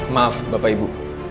maaf bapak ibu